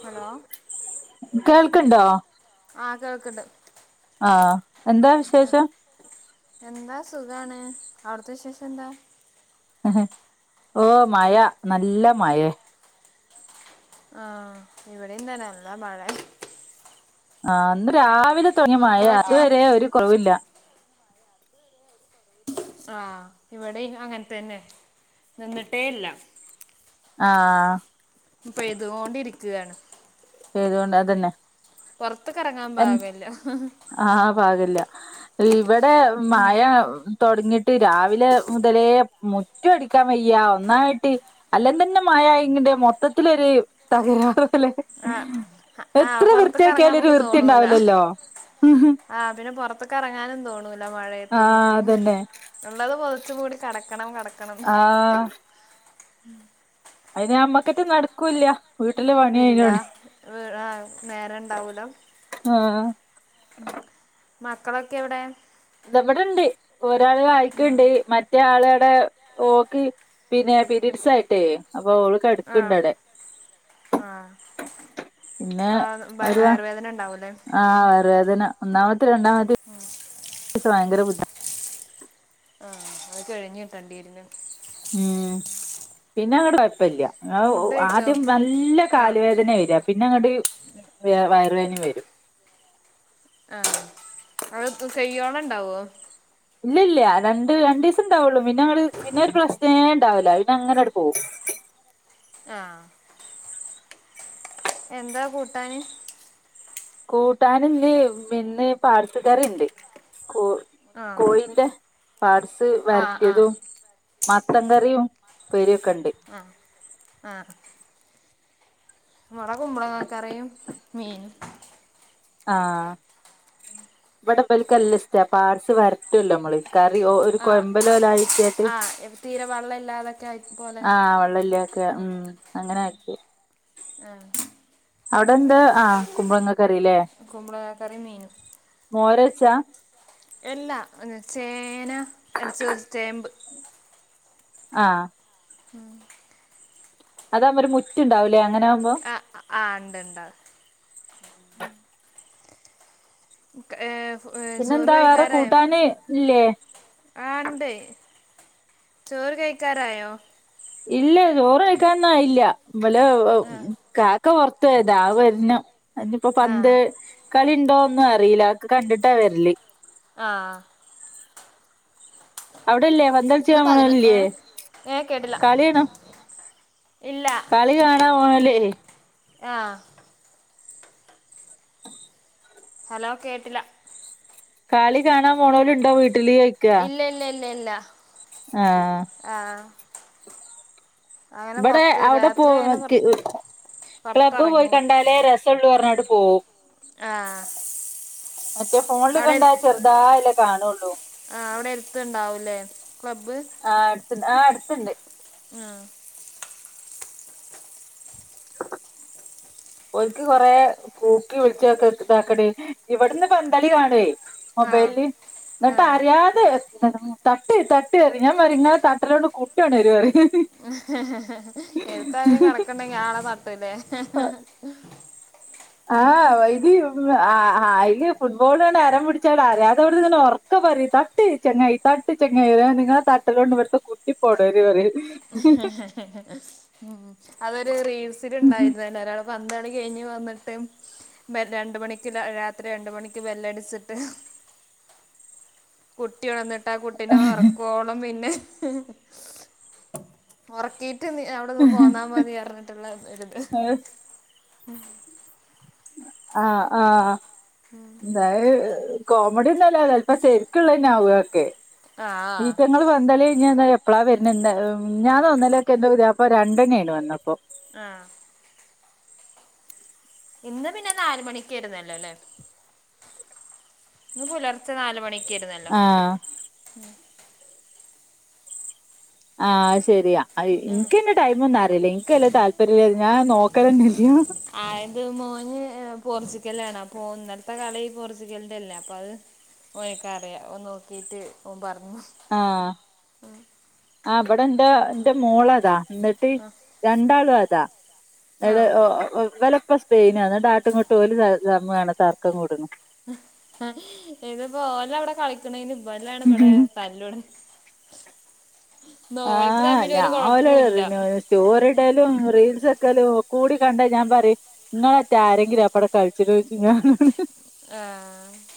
Hello കേൾക്ണ്ടോ? ആഹ് കേൾക്ക്ണ്ട് ആഹ് എന്താ വിഷ് ആ എന്താ സുഖാണ് അവ്ട്ത്തെ വിശേഷം എന്താ ഓ മഴ നല്ല മഴേ. ആഹ് ഇവടിം തന്നെ നല്ല മഴ ആഹ് ഇന്ന് രാവിലെ തൊടങ്ങിയ മഴ മക്കളൊക്കെ ഇതുവരെ ഒരു കൊറവില്ല. ആഹ് ഇവടിം അങ്ങൻതന്നെ, നിന്നിട്ടേ ഇല്ല. ആഹ് ഇപ്പൊ പെയ്തുകൊണ്ടിരിക്കുകയാണ് പെയ്തോണ്ട് അതന്നെ പുറത്തക്ക് ഇറങ്ങാൻ എൻ പാകല്ല. ആഹ് പാക്ഇല്ല ഇവിടെ മയ തുടങ്ങിട്ട് രാവിലെ മുതലേ മുറ്റം അടിക്കാൻ വയ്യാ ഒന്നായിട്ട് അല്ലാം തന്നെ മഴയാങ്ങ്ണ്ട് മൊത്തത്തിലൊരു തകരാറ് പോലെ ആഹ് ആഹ് എത്ര പുറത്ത്ക്ക് ഇറങ്ങാൻ വൃത്തിയാക്കിയാലും ഒരു നമുക്ക് വൃത്തി തോണൂല ഇണ്ടാവില്ലല്ലോ ആഹ് പിന്നെ പുറത്ത്ക്ക്‌ എറങ്ങാനും തോണൂല ആഹ് മഴയത്തന്നൊക്കെ അതന്നെ ഉള്ളത് പൊതച്ചു മൂടി കിടക്കണം കട- ആഹ് അതിന് നമ്മക്കെറ്റെ നടക്കൂല്ല. വീട്ടില് പണി ഇല്ല അയിനോണ്ട് നേരെ ഉണ്ടാവുലാ ആഹ് ഉം മക്കളൊക്കെ എവിടെ ഇതവിടെണ്ട് ഒരാള് വായിക്കുണ്ട് ആഹ് മറ്റേ ആള് അവടെ ഓക്ക് പിന്നെ പീരീഡ്സ് ആയിട്ടേ അപ്പൊ ഓള് ആഹ് കെടക്ക്‌ണ്ടവിടെ ആഹ് ആ വയറുവേദന ഉണ്ടാവുംല്ലേ ആ വയറു വേദന ഒന്നാമത്തെ രണ്ടാമത്തെ ആഹ് ഒരു സാങ്കര ബുദ്ധ ആഹ് അത് കഴിഞ്ഞിട്ടണ്ടിരുന്നു ഉം പിന്നെ അങ്ങടെ കുഴപ്പില്ല ആവു ഫുഡ് കഴിച്ചോ ആദ്യം നല്ല ആഹ് കാലുവേദന വെരാ പിന്നെ അങ്ങോട്ട് വയറുവേദനയും വരും. ആഹ് കയ്യോളം ഒണ്ടാകുമോ ഇല്ലല്ല രണ്ട് രണ്ട് ദീസം ഇണ്ടാവുള്ളൂ പിന്നങ്ങൾ പിന്നെ ഒരു പ്രശ്നേ ഇണ്ടാവൂല്ല പിന്നെ അങ്ങനെയണ്ട് പോകും ആഹ് എന്താ കൂട്ടാന്? കൂട്ടാന് ന്ന് ഇന്ന് പാർട്സ് കറിണ്ട് കൂ ആഹ് കോഴിന്റെ പാർട്സ് ആഹ് ആഹ് വരട്ടിയതും മത്തൻ കറിയും ഉപ്പേരി ഒക്കെ ഉണ്ട് ആഹ് ആഹ് ഇവടെ കുമ്പളങ്ങാക്കറിയും മീനും ആഹ്, ഇവടെ ബൽക്ക് നല്ലസ്ട്ടാ പാട്സ് വരട്ടുല്ലോ മ്മള്. കറ്യോ ഒര് ആഹ് കൊയമ്പ് ആഹ് ലവലായിക്ക്യാട്ട് ആഹ് തീരെ വെള്ളം ഇല്ലാതൊക്കെ ആയി പോലെ ആഹ് വെള്ളല്ല ക് ആഹ് ഉം അങ്ങനാക്കി ആഹ് അവടെ എന്താ ആഹ് കുമ്പളങ്ങ കറില്ലേ കുമ്പളങ്ങ കറിയും മീനും മോരയിച്ചാ? എല്ലാ ചേന അല്ല സോ ചേമ്പ് ആ ഉം അതാവുമ്പൊര് മുറ്റ്ണ്ടാവുലെ അങ്ങനാവുമ്പോ ആഹ് ണ്ട് ണ്ട് [inaudible] കേ ഏഹ് ചോറ് പിന്നെന്താ വേറെ കഴിക്കാറായോ? കൂട്ടാന് ഇല്ലേ ആ ണ്ടെ ചോറ് കഴിക്കാറായോ ഇല്ല ചോറ് കൈക്കാനൊന്നായീല്ല ഇവല് ഹ് ആ കാക്ക പൊർത്തോയതാ അഹ് വര്നം അഹ് ഞ്പ്പോ ആ പന്ത് കളിണ്ടോ ഒന്നും അറീല്ല ഒക്കെ കണ്ടിട്ടാ വര്ല് ആഹ് അവിടെല്ലേ ഒന്ന് പന്തളിച്ചാൻ പതിന ഏ പോണോലില്ലേ ഏ കേട്ടില്ല കളിയാണ് ഇല്ല. കളി കാണാൻ പോയാല്ലേ ആഹ് ഹലോ കേട്ടില കളി കാണാൻ പോണോലുണ്ടോ വീട്ടില്? ചോയിക്കാ ഇല്ല ഇല്ല ഇല്ല ഇല്ല ആഹ് ആഹ്. ഇവടെ അവടെ പോ [unintelligible] ക്ലബ്ബ് പോയി പുറത്തിറങ്ങൂല കണ്ടാലേ ര റ്റുള്ളൂ പറഞ്ഞ്ങ്ങട് പോവും. ആഹ് മറ്റേ ഫോണില് കണ്ട ചെറുതായല്ലേ കാണുള്ളൂ. ആ ഔടെ എരത്ത്ണ്ടാവുലെ ക്ലബ് ആ അടുത്തുണ്ട് ആ അടുത്തുണ്ട് ആഹ് ഒല്ക്ക് കൊറെ കൂക്കി വിളിച്ചക്കെ ഇതാക്കണ്ടേ ഇവിടുന്ന് പന്തളി കാണുവേ ആഹ് മൊബൈല് ന്നിട്ട് ആഹ് അറിയാതെ തട്ട് തട്ട് അറിം ഞാൻ പറിം ങ്ങളെ തട്ടലോണ്ട് കുട്ട്യൊണരു അറിം ഹ് ഹ് എ [unintelligible] ഞാളെ തട്ടുലെ ആഹ് വയ്ല് അയില് ഫുട്ബോൾ അരം പിടിച്ചോട രാവിലെ തന്നെ ഒറ ക്കെ പറിം തട്ട് ചങ്ങായ്‌ തട്ട് ചെങ്ങായ്‌ ഞാർഞ് ങ്ങളെ തട്ടലോണ്ട് ഇവട്ത്തെ കുട്ടി പ്പൊണരു അറിം ഹ് ഹ്ഹ്ഹ് ഉം അതൊരു റീൽസില് ഉണ്ടായിര്ന്ന ഒരാള് പന്തളി കഴിഞ്ഞ് വന്ന്ട്ട് [unintelligible] രണ്ട് മണിക്ക് രാ രാത്രി രണ്ട് മണിക്ക് ബെല്ല് അടിച്ചിട്ട് കുട്ട്യൊണർന്നിട്ടാ ആ കുട്ടിനെ ഒർക്കോളം പിന്നെ ഉറക്കിട്ട് നും പോന്നാ മതി അർഞ്ഞിട്ടുള്ള ഒരുത് ആഹ് ആഹ് ന്തായ് കോമഡ്യോന്നല്ല ചെൽപ്പ സെര്ക്ക്ള്ളന്നാവു അഒക്കെ ആഹ് ഈറ്റങ്ങള് പന്തള്യയ്ഞന്നാ എപ് അപ്പളാ വരുന്ന എന്ത മിഞ്ഞാന്നോ ഇന്നലൊക്കെ എന്തോ ഇന്റെ പുതിയാപ്പള രണ്ടെണ്ണി ആയിക്ക്ണ് വന്നപ്പോ. ആഹ് ഇന്ന് പിന്നെ നാല് മണിക്കേരുന്നല്ലേലേ. ന്ന് പുലർച്ചെ നാല് മണിക്കേർന്നല്ലോ ആഹ് ആഹ് ശരിയാ ആഹ് ഇൻക്ക് ങ്ങ ടൈമൊന്നു അറീല ഇൻകയിൽ താല്പര്യല്ല ഞാ നോക്കലെന്നെ ല്ല്യ ആയത് മോൻ പോർച്ചുഗല് ആണ്. അപ്പൊ ഓൻ ഇന്നലെത്തെ കളി പോർച്ചുഗ ല്ലേ അപ്പൊ അത് ഓക്കാ അറിയ നോക്കിട്ട് ഓ പറഞ്ഞു. ആഹ് ആഹ് ഇബടെ ന്റെ ന്റെ മോളതാ ന്നട്ട് ആ രണ്ടാളും അതാ [unintelligible] വലെപ്പൊ സ് സ്പെയിനാ ന്നട്ടാട്ടു ങ്ങട്ടു ഓല് [unintelligible] തർക്കം കൂട്ണ് ഇതിപ്പോ ഓല് അവടെ കളിച്ച്ണീന് ഇബലാണ് ഇവടെ തല്ലൂടണ ഓൽക്ക് ആഹ് തമ്മിൽ ഒരു ഞാൻ ഓലെ കുഴപ്പൂല്ല [unintelligible] സ്റ്റോറിടേലും റീൽസ് ക്കെലും കൂടി കണ്ട ഞാൻ പറയും നിങ്ങള്റ്റ ആരെങ്കിലും അപ്പടെ കൾച്ച് [unintelligible] [unintelligible] ആഹ്.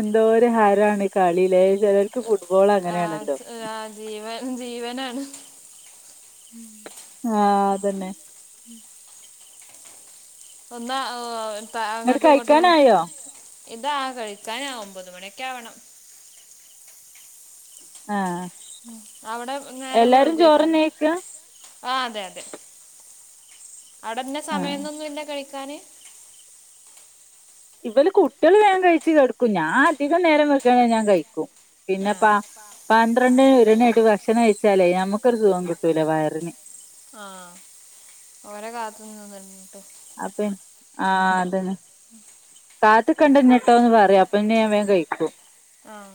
എന്തോര് ഹരാണീ കളിലേ ചെലോൽക്ക് ആഹ് ച് ആഹ് ജീവൻ ജീവനാണ് ആഹ് അത്‌ തന്നെ ഒന്നാ ഓ പ ഇങ്ങട്ട് അങ്ങട്ടും ങ്ങട്ടും കഴിക്കാനായോ ഇതാ കഴിക്കാനാവും ഒമ്പത് മണിക്കെ ആവ ആഹ് ഉം അവ്ടെ നേരം എല്ലാരും വഴുകോക്കാരം ചോറന്നെ കഴിക്കാ ആ അതെ അതെ അവടെന്നെ ആഹ് സമയൊന്നൊന്നുല്ല കഴിക്കാന് ഇവല് കുട്ടിയേള് വേൻ കഴിച്ചു കെടക്കും. ഞാൻ അധികം നേരം വെക്കണെങ്ക ഞാൻ കഴിക്കും. പിന്നെ ആഹ് പ പന്ത്രണ്ട് ഒരണ്യായിട്ട് ഭക്ഷണം കഴിച്ചാലേ ഞമ്മക്കൊര് സുഖം കിട്ടൂല വയറിന് ആഹ് ഓരെ കാത്ത്ങ്ങ നിന്ന്ട്ട് അപ്പ ഇൻ ആഹ് അതന്നെ. [inaudible] [inaudible] കാത്ത്ക്കണ്ടഞ്ട്ടോന്ന് പറീം അപ്പപിന്നെ ഞാൻ വേം കഴിക്കും ആഹ്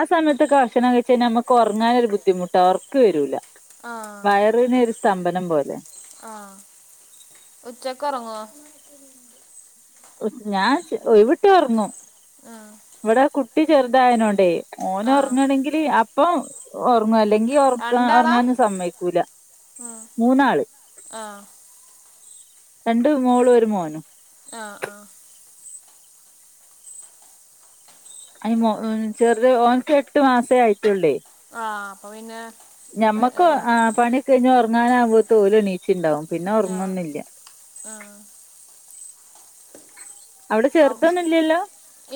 ആ സമയത്ത് ഭക്ഷണം കഴിച്ച് കഴിഞ്ഞാൽ നമ്മക്ക് ഉറങ്ങാൻ ഒരു ബുദ്ധിമുട്ടാ ഒർക്ക് വരൂല. ആഹ് വയറിനെ ഒരു സ്തംഭനം പോലെ. ആഹ് ഉച്ചക്ക് ഒറങ്ങോ? ഞാൻ ഒയ്‌വ്ട്ട്യാ ഒർങ്ങും ആഹ്. ഇവടെ കുട്ടി ചെർതായനോണ്ടെ ആഹ് ഓനൊർങ്ങണെങ്കില് അപ്പം ഒർങ്ങും അല്ലങ്കി- ട്ടി ഒർക്കാ രണ്ടാളാ ഒർങ്ങാനൊന്നും സമ്മയ്ക്കൂല ആഹ് മൂന്നാള് ആഹ്. രണ്ട് മോളും ഒരു മോനും ആഹ് ആഹ്. അയ് മോ ഉ ചെറുത് ഓൻക്ക് എട്ട് മാസേ ആയിട്ടുള്ളേ. ആഹ അപ്പൊ പിന്നെ ഞമ്മക്ക് ആഹ് പണ്യ കൈഞ് ഒർങ്ങാനാവുമ്പോത്ത് ഓലെണീച്ചിണ്ടാവും പിന്നെ ആഹ് ഒർങ്ങാെന്നില്ല ആഹ് അവ്ടെ ചെർതൊന്ന്ല്ല്യല്ലോ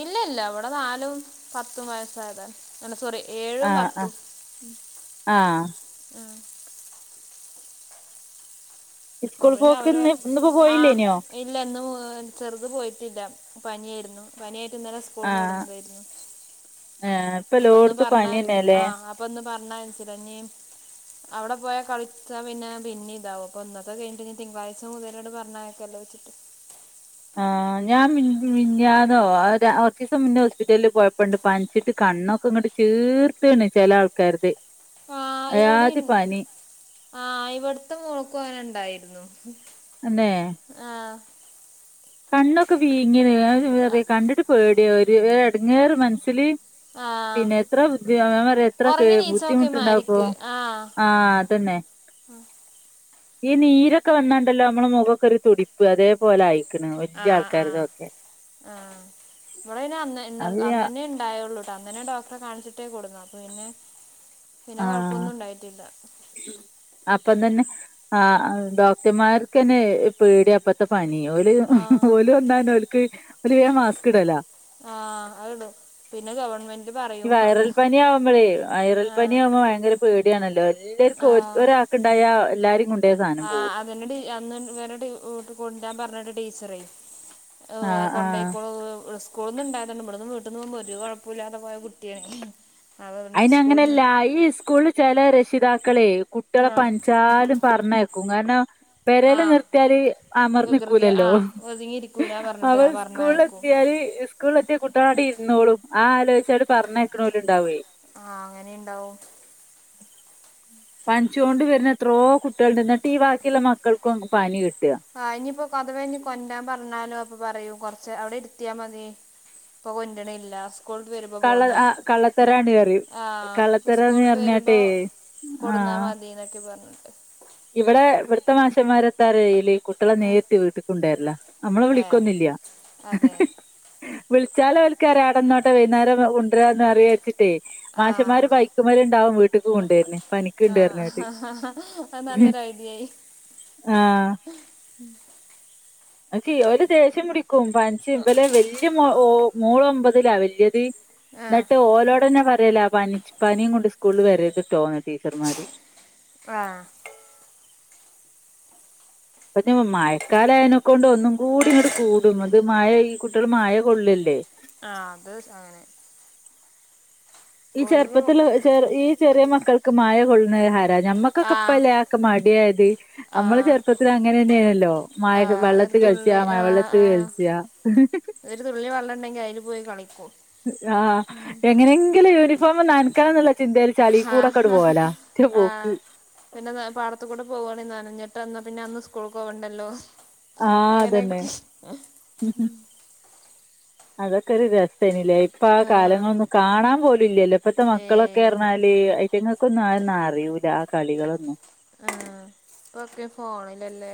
ഇല്ല ഇല്ല ഇവടെ നാലും പത്തും വയസ്സായതാ അല്ല സോറി. ഏഴും ആഹ് പത്തും ആഹ് ആഹ് ഉം സ്കൂൾ അവൻ പോക്ക് അവരെ ഇന്ന് ഇന്നിപ്പോ ആഹ് പോയില്ലേനോ ഇ ഇല്ല ഇന്ന് ചെറുത് പോയിട്ടില്ല പനിയായിരുന്നു പനിയായിട്ട് ഇന്നല സകൂൾന്ന് കൊണ്ട് ആഹ് വന്നതായിരുന്നു ഏഹ് അപ്പന്ന് ഇപ്പെല്ലോട്ത്തും പറഞ്ഞ പനിയെന്നെലേ ആഹ് അപ്പന്ന് പറഞ്ഞേച്ചീല ഇഞ് അവ്ടെ പോയാ കളിച്ചാ പിന്നെ പിന്നിം ഇതാവും പ്പ ഇന്നത്തെ കഴിഞ്ഞിട്ട് നി തിങ്കളാഴ്ച മുതലട് പറഞ്ഞയക്കല്ലോ വച്ചിട്ട് ആഹ് ഞാൻ മിഞ്ഞാന്നോ ഒരാ ഒ കൊർച്ചുസം മുന്ന് ഹോസ്പ്പിറ്റല്ല് പോയപ്പണ്ട് പനിച്ചിട്ട് കണ്ണൊക്കെ ചീർത്ത്ണ് ചെല ആൾക്കാര്ത് പാ ഇവ്ടെ അയാതി ണ്ട് പനി ആഹ് ഇവ്ട്ത്തെ മോക്കും അങ്ങനെ ഇണ്ടായിരുന്നു. അതെ ആഹ് കണ്ണൊക്കെ വീങ്ങീന് കണ്ടിട്ട് പേടിയാവാ ഒരു എടങ്ങാറ് മനസ്സില് ആ പിന്നെ എത്ര ബു ഞാൻപറയാ എത്ര ഉറങ്ങി നീച്ചോക്കെ ബുദ്ധിമുട്ട്ണ്ടാവ്പ്പോ മാരിക്ക് ആ അതന്നെ ആ ഈ നീരൊക്കെ വന്നാണ്ടല്ലോ നമ്മളെ മുഖക്കെ ഒര് തുടിപ്പ് അതേ പോലാ യി. ആ വല്യ ആഹ് ആഹ് ആൾക്കാർതൊക്കെ ആഹ് ഇവ്ടെ പിന്നെ അന്ന് ഇന്ന് അത് അന്നന്നെ ണ്ടായൊള്ളൂട്ടോ അന്നന്നെ ഡോക് അപ്പൊ കാണിച്ചിട്ടേ കൊണ്ടന്നാക്കൂ പിന്നെ പിന്നെ ആഹ് കൊഴപ്പൊന്നും ഉണ്ടായിട്ടില്ല. അപ്പം തന്നെ ആഹ് ഡോക്ടർമാർക്ക് ന്നെ പേടിയ പ്പത്തെ പനി. ഓല് ആഹ് ഓല് വന്ന പിന്നെ ഓൽക്ക് ഓല് വേംമാസ്ക് ഇടല ആ അതാണ് പിന്നെ ഗവൺമെ ഈ വയറൽ പനി ആവുമ്പോളേ വൈറൽ ആഹ് പനിയാവുമ്പോ ഭയങ്കര പേടിയാണല്ലോ എല്ലാര്ക്കും ആഹ് ഒരാക്ക്‌ണ്ടായ എല്ലാരേം കൊണ്ടാ ആ സാനം പൊകൂ തന്നാടി അന്ന് വരെ ടു വിട്ട് കൊണ്ടരാൻ പറഞ്ഞിണ്ട് ടീച്ചറെ ഓ അഹ് ആഹ് ആഹ് കൊണ്ടയിക്കോളൂ സ് സ്കൂള്ന്ന് ണ്ടായതാണ് ഇവ്ട്ന്ന് വീട്ടന്ന് പോമ്പം ഒര് കൊഴപ്പോല്ലാതെ പോയ കുട്ടിയാണേ അയ്ന് അങ്ങനല്ല ഈ സ്കൂളി ചെല രക്ഷിതാക്കളെ കുട്ട്യാളെ ആഹ് പനിച്ചാലും പറഞ്ഞയ്ക്കും കാരണം പെരെല് ആഹ് നിർത്തിയാല് വികൃതി ആ അമർന്നിക്കൂലല്ലോ ഒതുങ്ങിയിരിക്കൂല പറഞ്ഞിട്ട് അവൻ ആ സ്കൂളിൽ പറഞ്ഞയക്കും എത്തിയാല് ക്ക്‌ സ്കൂളിലെത്തിയാ കുട്ടിയള് ഇര്ന്നോളും ആ ആലോയിച്ചാണ്ട് പറഞ്ഞയ്ക്കണോല് ഉണ്ടാവേ ആ അങ്ങനീണ്ടാവും പനിച്ചോണ്ട് വര്ണ എത്രയോ കുട്ട്യാള്ണ്ട് എന്നിട്ട് ഈ ബാക്കിള്ള മക്കൾക്കും പനി കിട്ട ആ ഇനിയിപ്പോ അഥവ ഇനി കൊണ്ടരാൻ പറഞ്ഞാലോ അപ്പൊ പറയൂ കുറച്ച് അവിടെ ഇരുത്തിയാ മതി ഇപ്പൊ കൊന്റ്റിനില്ല സ്കൂള് വര്മ്പ കള്ള പോന്ന ആ കള്ളത്തരാണ് പറയും ആഹ് കള്ളത്തരാന്ന് സ്കൂള് ട്ട് വര്മ്പോ പറഞ്ഞാട്ടെ കൊട്ന്നാ മതിന്നൊക്കെ പറഞ്ട്ട്. ഇവ്ടെ ഇവ്ട്ത്തെ മാഷമാര് എത്താറിയോ ചെയ്യല്? കുട്ട്യാളെ ആ നേരിട്ട് വീട്ട്ക്ക്‌ കൊണ്ടരലാ നമ്മളെ ഏ വിളിക്കന്നും ഇല്ല. അതെ വിളിച്ചാല് ഓൽക്കറിയാ അടന്നോട്ട വൈന്നാരം കുണ്ടരാന്നറയാക്ക് ട്ടെ ആ മാഷമാര് ബൈക്കുമേൽണ്ടാവും വീട്ട്ക്ക് കൊണ്ടര്ണ് ആ പനിക്ക്ണ്ട് പറിഞാട്ട്. അത് നല്ലൊരു ഐഡിയായി ആഹ് [unintelligible] ക്കെ ഓല് ദേശ്യം പിടിക്കും പനച്ചും ഇബലെ വല്യ മോൾ ഒമ്പതിലാ വല്യയത് ആ എന്നിട്ട് ഓലോടന്നെ പറയലെ പനി പനിയും കൊണ്ട് സ്കൂളിൽ വരതിട്ടോന്ന് ടീച്ചർമാര് ആഹ് പ്ഞ്ഞും മഴക്കാലായനെക്കൊണ്ട് ഒന്നും കൂടി ഇങ്ങട്ട് കൂടും അത് മഴ ഈ കുട്ടികള് മഴ കൊള്ളില്ലേ? ആഹ് അത് അങ്ങനെ ഈ ഒരു ചെറുപ്പത്ൽ ചെർ ഈ ചെറിയ മക്കൾക്ക് മയ കൊള്ളണത് ഹര ഞമ്മക്ക് ക്ക്ക്ക്‌ ‌ ആ ഇപ്പല്ലേ ആക്കെ മടിയായദ് നമ്മള് ആ ചെറുപ്പത്തില് അങ്ങനെന്നെയണല്ലോ മഴ ക്കെ ആഹ് ഒരു വള്ളത്തി കളിച്ചാ തുള്ളി മഴ ആഹ് വെള്ളത്തി ആഹ് കളിച്ചാ. ഒരു തുള്ളി വള്ളംണ്ടെങ്കിൽ അതില് പോയി കളിക്കും ആ എങ്ങനെങ്കിലും യൂണിഫോം നൻക്കണം നുള്ള ചിന്തേല് ചളികൂടെക്കട് ആഹ് പോവലാ ഒര് ആഹ് പോക്ക് പിന്നെ പാടത്തുകൂടെ പോവാണെ നനഞ്ഞിട്ട് അന്നാ പിന്നെ അന്ന് സ്കൂൾക്ക്‌ പോവണ്ടല്ലോ? ആഹ് അതന്നെ അങ്ങനൊക്യാ [unintelligible] അതൊക്കെ ഒരു രസയ്നില്ലേ ഇപ്പൊ ആ ആഹ് കാലങ്ങളൊന്നും കാണാൻ പോലുംല്ലല്ലോ ഇപ്പ ഇപ്പത്തെ മക്കളൊക്കെ ഏഹ് എറിഞ്ഞാല് റ്റങ്ങൾക്കൊന്നും അറിയൂല്ല ആ കളികളൊന്നും ആഹ് പ്പൊക്കെ ഫോണിലല്ലേ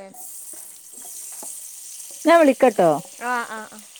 ഞാൻ വിളിക്കട്ടോ ആഹ് ആഹ് ആഹ്